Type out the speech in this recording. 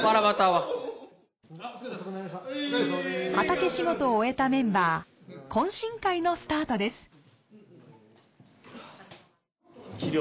畑仕事を終えたメンバー懇親会のスタートです。